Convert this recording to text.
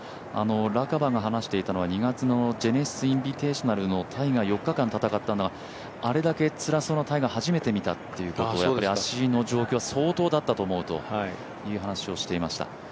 ラカバが話していたのは、２月のジェネシス・インビテーショナル、タイガー４日間戦ったのはあれだけつらそうなタイガーを初めて見たということを、足の状況は相当だったと思うという話をしていました。